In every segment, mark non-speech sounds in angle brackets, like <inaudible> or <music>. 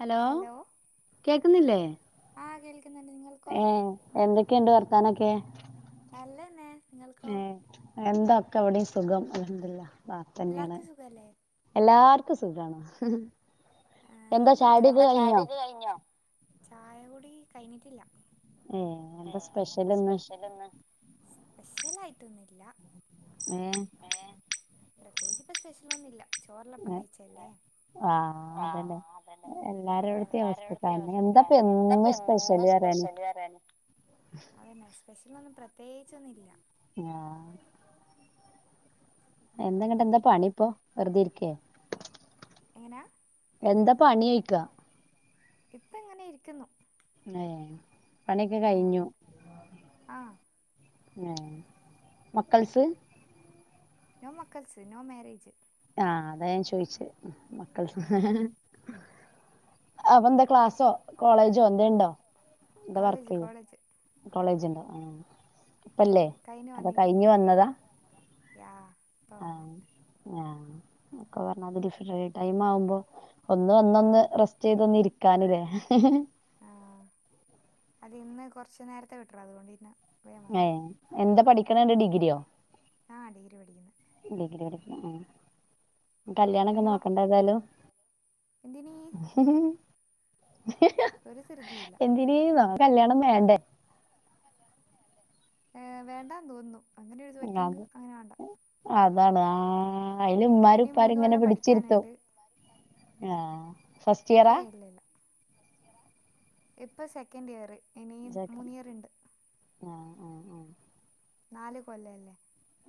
Hello കേക്കുന്നില്ലേ ആ കേൾക്കുന്നുണ്ട് നിങ്ങൾക്കോ ഏ എന്തൊക്കെയുണ്ട് വർത്താനൊക്കെ നലത് തന്നെ ഏ എന്താക്കെ ഇവിടെയും സുഖം അൽഹമ്ദ്ലില്ലാഹ് റാഹത്ത് തന്നെയാണ് എല്ലാവർക്കും സുഖല്ലേ എല്ലാർക്കും സുഖണോ ആ നോമ്പടത്തുണോ. ചായ കൂടി കഴിഞ്ഞിട്ടില്ല ഏ എന്താ സ്പെഷ്യൽ ഇന്ന് സ്പെഷ്യൽ ആയിട്ടൊന്നില്ല ഏ പ്രത്യേകിച്ച് ഇപ്പ സ്പെഷ്യൽ ഒന്നുമില്ല ചോറലപ്പ കഴിച്ചല്ലേ ആ അതല്ലേ എല്ലാരും എവിടത്ത അവിക്കെ എന്താപ്പ എന്താപ്പ എന്നും എും സ്പെഷ്യല് പറയാന് സ്പെഷ്യല് പറയാന് അതന്നെ സ്പെഷ്യൽ ഒന്നും പ്രത്യേകിച്ചൊന്നും ഇല്ല ആ എന്തങ്ങട്ട എന്താ പണി ഇപ്പോ വെറുതെ ഇരിക്കേ എങ്ങനാ എന്താ പണി ചേയ്ക്കാ ഇപ്പ ഇങ്ങനെ ഇരിക്കുന്നു ഏ പണിയെക്കെ ആ കഴിഞ്ഞു ആ ഏ മക്കൾസ് നോ മക്കൾസ് നോ മരേജ് ആ അതാ ഞാൻ ചോയിച്ച മക്കൾ ആ അപ്പൊ എന്താ ക്ലാസ്സോ കോളേജോ എന്ത ഇണ്ടോ കോളേജ് കോളേജ് കോളേജണ്ടോ ആ ഉം ഇപ്പല്ലേ കഴിഞ്ഞ് അത വന്നിരുന്നേ കഴിഞ്ഞു വന്നതാ യാ ഇപ്പ ആ വന്ന് ആ ക്കെ അത് ഡിഫ ടൈം ആവുമ്പോ ഒന്ന് വന്നൊന്ന് റെസ്റ്റ് ചെയ്ത് ഇരി കാന് ല്ലേ ആഹ് അത് ഇന്ന് കുറുച്ച് നേരത്തെ വിട്ടുഎടാ അതുകൊണ്ടിന്നെ ഏ എന്താ പഠിക്കണണ്ട് ഡിഗ്രിയോ ആ ഡിഗ്രി പഠിക്കുനേ ഉ കല്യാണം ഒക്കെ നിങ്ങളോ നോക്കണ്ട ഏതായാലും എന്തിനീ ഹ ഒരു സരുതിയില്ല എന്തിനേന്നോ കല്യാണം വേണ്ടെ ഏ വേണ്ടാന്ന് തോന്നും അങ്ങനെ ഒരു അത് പറ്റിയെങ്കിൽ അങ്ങനെ വാണ്ട അതാണ് ആ അതില ഉമ്മാരു ഉപ്പരി മൂന്ന് ഇങ്ങനെ കൊല്ലം പിടിച്ചിരുത്തും പഠിക്കാനുണ്ട് ആ ഫസ്റ്റ് ഇയറാ ഏയ് ഇല്ല ഇല്ല ഇപ്പൊ സെക്കഡ് ഇയര് ജക്ക ആ ആ ആ നാല് കൊല്ലല്ലേ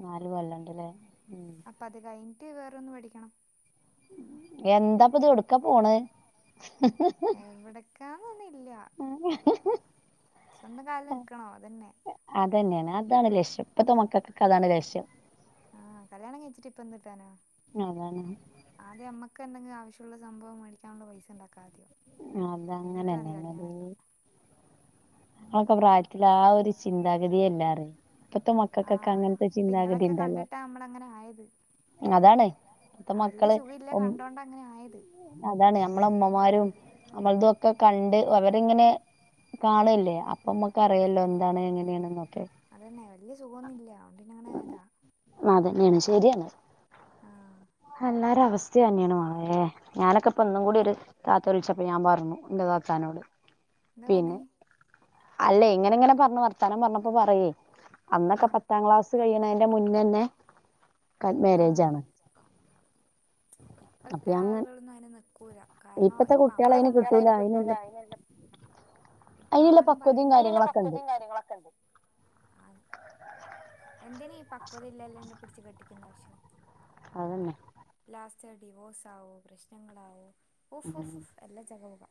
നാല് കൊല്ലണ്ട്ല്ലേ ഉം അപ്പൊ അത് കഴിഞ്ഞിട്ട് വേറൊന്ന് പഠിക്കണം എന്താപ്പത് ഔട്ക്ക പോണ എവിടക്കാന്നൊന്നില്ല <unintelligible> സ്വന്തം കാല് ല് നിക്കണം അതന്നെ അതെന്നാണ് അതാണ് ലക്ഷ്യം ഇപ്പത്തെ മക്കൾക്ക് ഒക്കെ അതാണ് ലക്ഷ്യം ആഹ് കല്യാണം കഴിച്ചിട്ട് ഇപ്പ എന്തിട്ടനാ അതാണ് ഒക്ക ഉണ്ടെങ്കിൽ ആവശ്യുള്ള സംഭവം മേടിക്കാനുള്ള പൈസ ഉണ്ടാക്കാ ആദ്യം എന്നിട്ട് മതി അതങ്ങനെന്നെ കല്യാണം എല്ലാം <unintelligible> ങ്ങളോക്കെ പ്രായത്തില് ആ ഒരു ചിന്താഗതിയല്ല <unintelligible> ഇപ്പത്തെ മക്കക്കൊക്കെ ആഹ് അങ്ങനത്തെ അപ്പൊ ചിന്താഗതി ഇങ്ങളൊക്കെ ണ്ടല്ലോ കണ്ടിട്ടാ നമ്മളങ്ങനെ ആയത് അതാണ് ഇപ്പത്ത ആ വല്യ മക്കള് സുഖല്ല ഉം കണ്ടോണ്ട അങ്ങനെ ആയത് അതാണ് ഞമ്മളെ ഉമ്മമാരും ഞമ്മൾതൊക്കെ കണ്ട് അവരിങ്ങനെ കാണല്ലേ അപ്പ നമ്മക്ക് അറിയല്ലോ എന്താണ് എങ്ങനെയ ന്നൊക്കെ അതന്നെ വല്യ സുഖന്നും ഇല്ല്യ അതോണ്ട് പിന്നങ്ങനെ ആയതാ ആഹ് അല്ലാരവ <unintelligible> <unintelligible> മളെ ഞാനൊക്കെപ്പന്നും കൂടി ഒരു താത്ത വിളിച്ചപ്പോ ഞാൻ പറഞ്ഞു ന്റെ താത്താനോട് എന്തെ പറഞ് അല്ലേ ഇങ്ങനെ ഇങ്ങനെ പറഞ്ഞ് വർത്താനം പറഞ്ഞപ്പോ പറയേ അന്നൊക്കെ ആഹ് പത്താം ക്ലാസ് കഴിയണന്റെ മുന്നന്നെ ക മാരേജ ആണ് <inaudible> അപ്പൊ ഇപ്പോഴത്തെ ഞങ്ങ ആളുകളൊന്നും അയിന് നിക്കൂല കാരണം ഇപ്പത്തെ ഇപ്പ ആ കുട്ടികൾ ഇപ്പോത്തെ അതിന് കുട്ട്യേളെ അയിന് കിട്ടൂല അതിനെല്ലാം ഇപ്പ അതിനുള്ള ആണ പക്വതയും പറയുന്നതി അയ്നുള്ള കാര്യങ്ങളൊക്കെ ഉണ്ട് പക്കതിം കാര്യങ്ങളൊക്കെ ഇണ്ട് എന്തിന ഈ പക്വത ഇല്ലല്ലങ്കി ല് പിടിച്ച് കെട്ടിക്കണ്ട ആവശ്യം അതന്നെ ലാസ്റ്റ് ഡിവോഴ്സ് ആകോ പ്രശ്നങ്ങളാവോ ഓഫ് ഓഫ് എല്ല ജകപോക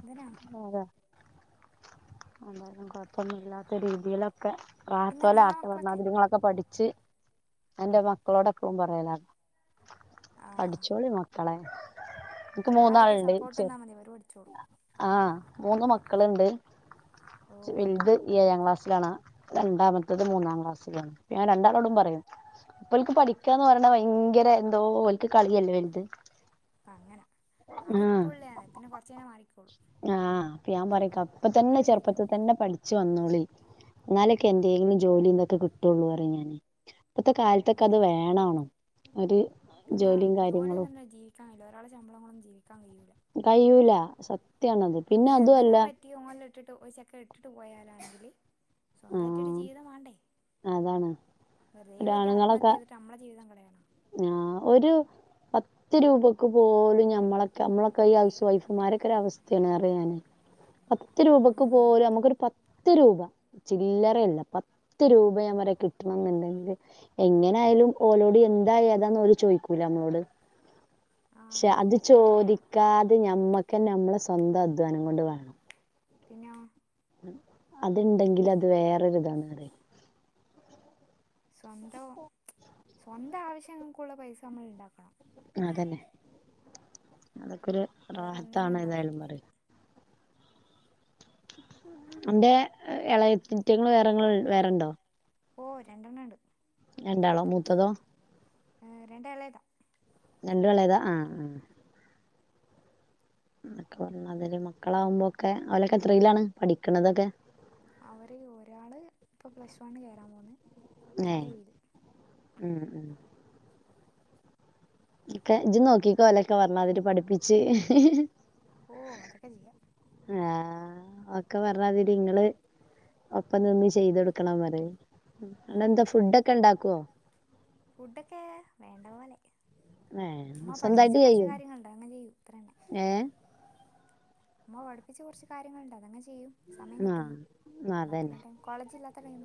എന്തിനാണ് എന്തായാലും കുഴപ്പൊന്നുല്ലാത്ത രീതിയിലൊക്കെ പിന്നെ റാഹത്തോല നിങ്ങളെ ആട്ടെ മക്കളൊക്കെ പറഞ്ഞതിരി ഇങ്ങളൊക്കെ പടി ഇച്ഛ് നാന്റെ മക്കളോടപ്പളും പറയലാ ആഹ് പഠിച്ചോളി മക്ക <unintelligible> ഇൻക്ക് നിങ്ങളവർക്ക് മൂന്നാളുണ്ട് സപ്പോർട്ട് <unintelligible> നിന്നാ മതി അവര് പഠിച്ചോളും ആഹ മൂന്ന് മക്കള്ണ്ട് ഓ വെൽത് ഏഴാം ക്ലാസ്സിലാണ് രണ്ടാമത്തത് മൂന്നാം ക്ലാസ്സിലാണ് ഞാൻ രണ്ടാളോടും പറയും ഓൽക്ക് പഠിക്കാന്ന് പറീണേ ഭയങ്കര എന്തോ ഒൽക്ക് കളിയല്ലേ വല് ത് അതിപ്പോള്ള ആണ് പിന്നെ കൊറചെയ്ഞ്ഞാൽ മാറിക്കോള്ളും ആഹ് അപ്പൊ ഞാൻ പറയ് പ്പ തന്നെ ചെറുപ്പത്തി ശരിയാവും തന്നെ പഠിച്ചു വന്ന ന്നൊളി ഇന്നാലൊക്കെ എന്തെങ്കിലും ജോലി ഇതൊക്ക കിട്ടുള്ളൂ പറിം ഞാന് ഇപ്പത്തെ കാലത്തൊക്കെ അത് ഉം വേണം ഒര് പിന്നെ ജോലിന്ന് ഇല്ലാ ജീവിക്കാൻ കയില്ല ഒരാളെ ശമ്പളം കൊണ്ടൊന്നും ജീവിക്കാൻ കയൂല കഴൂല സത് പിന്നെ എന്തെങ്കെ പറ്റി ഓൻന്നെ ഇട്ടിട്ട് പോ ചെക്ക ഇട്ടിട്ട് പോയാലോ സ്വന്തയിട്ട് ഒരു ആഹ് ജീവിതം വേണ്ടേ അതാണ് വെറുതെ പോയിട്ട് ആത്മഹത്യ ഒരാണുങ്ങളൊക്കെ ചെയ്തിട്ട് അമ്മളെ ജീവിതം കളയണോ ആഹ് ഒരു പത്ത് രൂപക്ക് പോലും ഞമ്മളെക്കെ നമ്മളൊക്കെ ഈ ഹൗസ് വൈഫ്മാരൊക്കെ ഒരു അവസ്ഥണ് റിയാണ് <unintelligible> പത്ത് രൂപക്ക് ഉം പോലും അമ്മക്കൊരു പത്ത് രൂപ ചില്ലറയല്ല പത്ത് രൂപ നാമ്പറിയാ കിട്ടണന്നുണ്ടെങ്കില് എങ്ങനെ ആയാലും ഓലോഡ് എന്താ ഏതാ ന്ന് ചോയിക്കൂല <unintelligible> ങ്ങളോട് ആ പക്ഷെ അത് ചോദിക്കാതെ ഞമ്മക്ക്ന്നെ നമ്മളെ സ്വന്തം അധ്വാനം കൊണ്ട് വേണം പിന്നെ അത്ണ്ടെങ്കിൽ അത് സ്വന്തം സ്വന്തം ആവശ്യങ്ങൾക്ക ഉള്ള പൈസ നമ്മൾ ഉണ്ടാക്കണം അതന്നെ അതൊക്കെ ഒരു വേറെ ഒന്നിനും റാഹത്താണ് ഏതായാലും പറയാ ഉണ്ടാക്കിയിട്ടില്ലേലും എന്റെറെ ഇളയേറ്റിങ്ങൾ വേറെ വേറെണ്ടോ ഓ രണ്ടണ്ണണ്ട് രണ്ടാളോ മൂത്തതോ ആ രണ്ട ഇളയതാ രണ്ടും ഇളെയെതാ ആഹ് ആ ക്കെ അതില് മക്കളാവുമ്പോക്കെ അവലൊക്കെ എത്രയിലാണ് പഠിക്കണതൊക്കെ അവര് ഒരാള് ഇപ്പ പ്ലസ് വണ് കയറാൻ പോകുന്ന് ഏ ഒരാള് എഴില് ഉം ഉം ക്കെ ജിം നോക്കിക്കൊ ഓലൊക്കെ പറഞ്ഞ മാതിരി പഠിപ്പിച്ച് ഓ അതൊക്കെ ചെയ്യാം ആഹ ഒക്കെ പറഞ്ഞാതിടി നിങ്ങള് ഒപ്പ നിന്ന് ചെയ്തൊടുക്കണം പറയ് അതല്ല അടെന്താ അത്രേള്ളു ഫുഡൊക്കെ ഇണ്ടാക്കുവോ ഫുഡൊക്കെ വേണ്ട പോലെ ഏ അമ്മ പഠിപ്പിച്ച സ്വന്തായിട്ട് കുറച്ച ചെയ്യും കാര്യങ്ങളണ്ട് അത് അങ്ങ് ചെയ്യും അത്ര തന്നെ ഏ അമ്മ പഠിപ്പിച്ച കൊറച്ച് കാര്യങ്ങളൾണ്ട് അതങ്ങനെ ചെയ്യും സമയം കിട്ടുമ്പോ ആ ബാക്കുള്ള ടൈം കോളേജ് ഇല്ലാത്ത ടൈം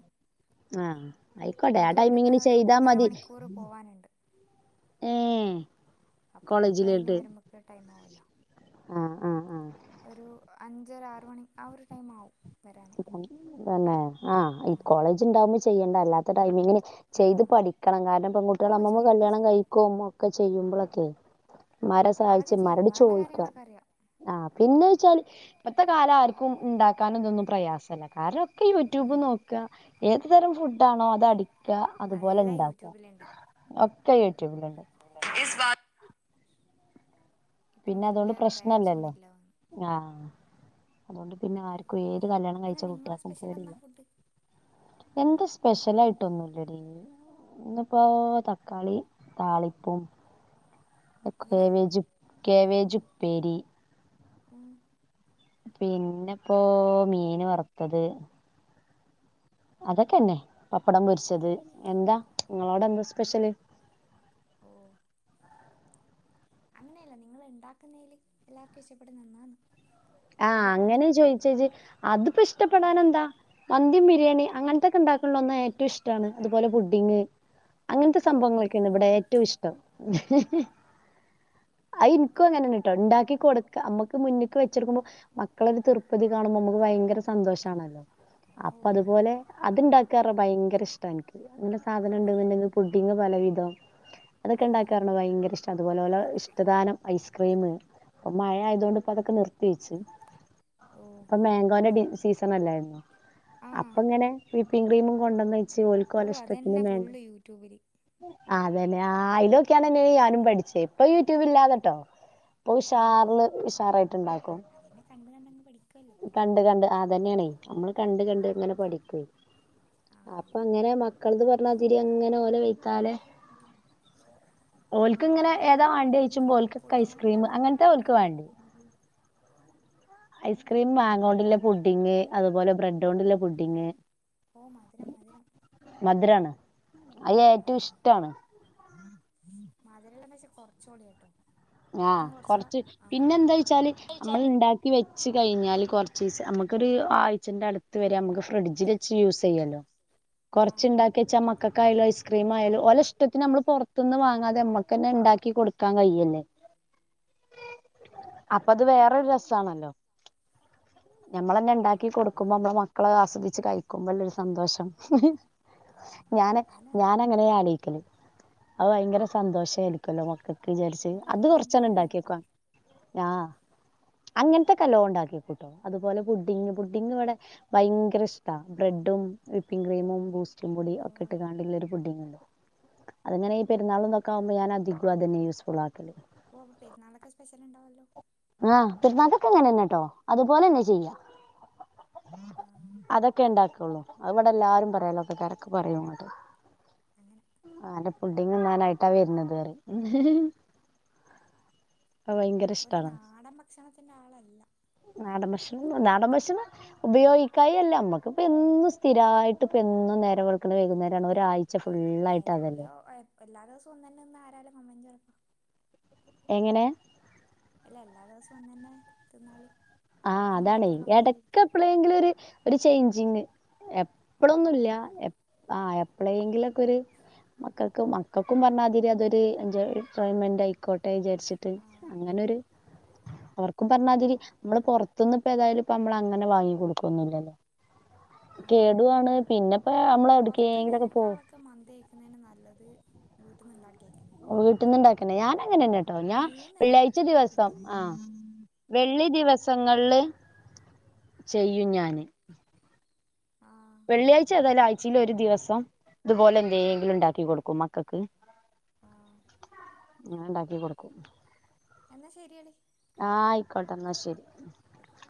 ആഹ് ആയിക്കോട്ടെ ആ എനിക്ക് ഇവിടുന്ന് ടൈമിങ്ങിന് ഒരു ചെയ്താ മതി ഏ അപ്പൊ അതൊക്കെ കഴിഞ്ഞ് കോളേജിലോട്ട് വരുമ്പോക്ക ടൈം ആവല്ലോ ആ ഉ ഉ ഒരു അഞ്ചര ആറു മണി ആ ഒരു ടൈം ആവും വരാൻ തന്നെ ആഹ ഈ കോളേജ് ഉണ്ടാവുമ്പോ ചെയ്യേണ്ട അല്ലാത്ത ടൈമി ഇങ്ങനെ ആ ചെയ്ത് പഠിക്കണം കാരണം പെൺകുട്ടികൾ ഓ അമ്മമ്മ ചെയ്യുകയൊക്കെ കല്യാണം ചെയ്യും കഴിക്കുവ അമ്മ ഒക്കെ ചെയ്യുമ്പോളൊക്കെ ഇമ്മാരെ സഹായിച് അതൊക്കെ ചെയ്യും ഇമ്മാരോട് വേണ്ട ചോദിക്കുവാൻ കാര്യങ്ങളൊക്കെ അറിയാം ആ പിന്നെ വെച്ചാല് ഇപ്പത്തെ കാലം ആർക്കും ഉണ്ടാക്കാന ഇതൊന്നും പ്രയാസമല്ല കാരണംക്കെ യൂട്യൂബ് ഉം നോക്ക ഏത് തരം ഫുഡ ആണോ അത് അടിക്കുക അതുപോലെ നല്ല ഉണ്ടാക്ക യൂട്യൂബിലുണ്ട് ഒക്കെട്ട യൂട്യൂബ്ല്ണ്ട് ഇപ്പം പിന്നെ വല്യ അതുകൊണ്ട് പ്രശ്നല്ലല്ലോ പ്രയാസമൊന്നുമില്ല ആ അതൊണ്ട് പിന്നെ ആർക്കും ഏ കല്യാണം പിന്നെ കഴിച്ച നിങ്ങളെ കുട്ടികൾക്കും സ്പെഷ്യൽ എന്നാ പേടില്ല ഫുഡ് എന്താ സ്പെഷ്യൽ ആയിട്ടൊന്നുല്ലടീ ഇന്നിപ്പോ തക്കാളി താളിപ്പും എങ്ങനാ കെബേജു കേബേജുപ്പേരി ഉ പിന്നെപ്പോ മീൻ വറുത്തത് അതൊക്കെന്നെ പപ്പടം പൊരിച്ചത് എന്താ നിങ്ങളോടെ എന്താ സ്പെഷ്യല് ഓ അങ്ങനെയല്ല നിങ്ങള് ഉണ്ടാക്കുന്നതില് എല്ലാർക്കും ഇഷ്ടപ്പെടുംന്നത് എന്നാന്ന് ആഹ അങ്ങനെ ചോയിച്ചേജി അതിപ്പോ ഇഷ്ടപ്പെടാന എന്താ മന്തിം ബിരിയാണി അങ്ങനത്തൊക്കെ ഉണ്ടാക്കണ ഒന്ന ഏറ്റവും ഇഷ്ടമാണ് അതുപോലെ പുഡിങ് അങ്ങനത്തെ ഓ പിന്നെന്നാ സംഭവങ്ങളൊക്കെയാണ് ഇവിടെ വേണ്ടേ ഏറ്റവും ഇഷ്ടം അ ഇ നിക്കും അങ്ങനെയ കേട്ടോ ഉണ്ടാക്കി കൊടുക്ക നമ്മുക്ക് മുന്ന് ക്ക് വെ <unintelligible> ടുക്കുമ്പോ മക്കളൊരു തൃർപ്പതി കാണുമ്പോ നമുക്ക് ഭയങ്കര സന്തോഷമാണല്ലോ ഓ അപ്പൊ അതുപോലെ അത്ണ്ടാക്കാറ ഭയങ്കര ഇഷ്ടം എനിക്ക് അങ്ങനെ സാധനം അങ്ങനെ ഉണ്ടണ്ടെങ്കിൽ ഫ് അ പലവിധം ആ അതൊക്കെ ഉണ്ടാക്കാറു ഭയങ്കര ഇഷ്ടം അതുപോലെ ഇഷ്ടദാനം ഐസ്ക്രീം അപ്പ മഴ ആയതുകണ്ട് ഇപ്പ അതക്കെ നിർത്തി ബീച്ച് ഓ അപ്പൊ മാങ്കോന്റെ സീസൺ അല്ലായിരുന്നു ആ അപ്പ ഇങ്ങനെ വിപ്പിംങ്ങ് ക്രീമും കൊണ്ടന്ന ചേ ഓ ഓൽക്കൊലെ അതന്നെ ഇഷ്ട്ടത്തിന് ഫുള്ള് യൂട്യൂബില് ആ അതന്നെ ആ അലൊകിയാണ്ടെന്നേ ടീ ഞാനും പഠിച്ചേ ഇപ്പൊ യൂട്യൂബില്ലാത്തട്ടോ. ഇപ്പൊ ഉഷാറില് ഉഷാറായിട്ട് ഇണ്ടാക്കും. അതന്നെ കണ്ട് കണ്ടങ്ങ് പഠിക്കുല്ലേ അ തെന്നെണ് ഞമ്മള് കണ്ട് കണ്ട്ങ്ങനെ പഠിക്കും ആ അപ്പങ്ങനെ മ മക്കള്ത് പറഞ്ഞാ അതിരി അങ്ങനെ ഓലെ വെയ്ത്താലേ ഓൽക്ക്‌ ങ്ങനെ അപ്പോൾ ഏതാ വാണ്ടിയോയ് ചുമ്പോ ഓൽക്കൊക്കെ പൊടിങ്ങനെ ഐസ്ക്രീംമ് ഉണ്ടാക്കുന്ന അങ്ങനതാ ഓൽ ഒരാളാണ് ക്ക് വേണ്ടിയെ ഐസ്ക്രീം മാങ്ങോണ്ട്ല്ലേ പുഡിങ് അതുപോലെ ബ്രെഡോണ്ട് ഉള്ള പുഡ്ഡിംഗ് ഓ മധുരം മധുരം അതിൽ ഏറ്റവും ഇഷ്ട്ടാണ്. മധുരം ഉള്ളത് ലേശം കൊറച്ചോളിയേട്ടോ. ആ കൊർച്ച് പിന്നെന്താ ച്ചാല് നമ്മൾ ഇ ണ്ടാക്കി വെ വെച്ച് കഴിഞ്ഞാല് കുറചീസം നമ്മക്കൊരു ആഴ്ചന്റെ അടുത്ത് വരെ നമുക്ക് ഫ്രിഡ്ജിൽ വെച്ച് യൂസ് ചെയ്യാലോ ചെയ്യല്ലോ. ആ കൊറച്ച്ണ്ടാക്കി വെച്ചമ്മക്കാകായാലും ഐസ്ക്രീം ആയാലും ഓലെ ഇഷ്ട്ട ത്തിന് നമ്മള് പുറത്തുന്ന് വാങ്ങാതെമ്മക്കെന്നെ ഇ ഇണ്ടാക്കി കൊടുക്കാൻ കയ്യല്ലേ? <inaudible> അപ്പൊ അത് വേറൊരു രസാണല്ലോ? ഞമ്മളെന്നെ ഇണ്ടാക്കി കൊടുക്കുമ്പോ ഞമ്മളെ മക്കള് ആസ്വദിച്ച് കഴിക്കുമ്പോല്ലൊരു സന്തോഷം. ആ ഞാന് അത് നല്ലതാ ഞാനങ്ങനെ ആലോയിക്കല്. അവു ഭയങ്കര സന്തോഷ ആരിക്കല്ലോ മക്കൾക്ക് വിചാരിച്ച്. നല്ലൊരു അത് കൊറച്ചെണ് കുടുംബിയാണ് അപ്പോൾ ഇണ്ടാക്കിയെക്കും ആ അങ്ങനത്തെക്കല്ലോം ഇണ്ടാക്കിയെക്കുംട്ടോ അതുപോലെ പുഡിങ് പുഡിങ് ഇവിടെ ഭയങ്കര ഇഷ്ട്ട ബ്രെഡ് ബ്രെഡും വിപ്പിംഗ് ക്രീും ബൂസ്റ്റും പൊടി ഓ ഒക്കെ ഇട്ട്ക്കാണ്ടില്ലൊരു പുഡ്ഡിംഗ് ഇല്ലെ അതങ്ങനെ ഈ പെരുന്നാളുംന്നൊക്കെ ആകുമ്പോ ഞാന് അധികവും അതെന്നെ യൂസ്ഫുൾ ആക്കല്. ഓ അപ്പോ പെരുന്നാളിനൊക്കെ സ്പെഷ്യൽ ഇണ്ടാവോല്ലോ? ആ പെരുന്നാക്കൊക്കെ അങ്ങനെന്നേട്ടോ അതുപോലെന്നെ ചെയ്യ. ആ അതൊക്കെ ഇണ്ടാക്കുള്ളൂ അഹ് ബടെ എല്ലാരും പറയും അ യലോക്കാക്കാരൊക്കെ പറയും ന്നട്ട്. അങ്ങനെ അന്റെ പുഡിങ്ത്തിനായിട്ടാ വെർണത് പറിം. <inaudible> ആ വയങ്കര ഇഷ്ട്ടാണ്. ഭക്ഷണത്തിന്റെ ആളല്ല. നാടൻ ഭക്ഷണം നാടൻ ഭക്ഷണം ഉപയോഗിക്കായി അല്ല നമ്മക്ക് ഇപ്പോ എന്നും സ്ഥിരായിട്ട് ഇപ്പ എന്നും നേരം വെള്ക്ണേ വൈകുന്നേരാണ് ഒരാഴ് എല്ലോ എല്ലാ ദിവസവും ഒന്നെന്നെ ഒന്ന ആരാലും <unintelligible> എങ്ങനെ എല്ല എല്ലാ ദിവസവും ഒന്നന്നെ തിന്നാല് ആ പിന്നെ അതാണെയ് മക്കള് കംപ്ലൈന്റ് ഇടക്ക് ആയിരിക്കും എപ്പോഴെങ്കിലും ഒരു ചെയ്ജിങ്. ഓ എപ്പള്ളൊന്നുല്ലാ അതെല്ലാം വേണം ആ എ പ്പലെങ്കിലകൊരു. മക്കൾക് മക്കൾക്കും പറഞ്ഞാതിരി അതൊര് എൻജോയ്മെൻ്റ് ആയിക്കോട്ടെ വിചാരിച്ചിട്ട് ആ അങ്ങനെ. അവര് അവർക്കും പറഞ്ഞാതിരി നമ്മള് പുറത്തുനിന്ന് ഇപ്പൊ ഏതായാലും പ്പമ്മള് അങ്ങനെ വാങ്ങികൊടുക്കൊന്നുല്ലാ ലോ <inaudible> കേടുആണ് പിന്നെപ്പോ നമ്മള് എ വിടുകെങ്കിലുമൊകെ പോകും. പുറത്തുന്നതിനേക്കാളൊക്കെ വീട്ട്ന്നുണ്ടാക്കി. വീട്ടന്ന്ണ്ടാക്കെന്നെ ഞാൻ അങ്ങനെന്നെട്ടോ അത് ഞാ മൂന്ന് നേരം വെള്ളിയാഴ്ച എത്തും പിന്നെ ദിവസം ആ വെള്ളി ദിവസങ്ങള്ൽ ചെയ്യും ഞാന്. ആ വെള്ളിയാഴ്ച ഏതായാലും ആഴ്ച്ചിൽ ഒരു ദിവസം ഇതുപോലെ എന്തെങ്കിലും ഇണ്ടാക്കി കൊടുക്കും മക്കൾക്ക്. ആ ഞാൻ ഇണ്ടാക്കി കൊടുക്കും. എന്നാൽ ശരിയെടി ആ ആയിക്കോട്ടെ എന്നാ ശരി ആയിക്കോട്ടെ